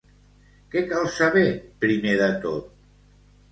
Què cal saber primer de tot?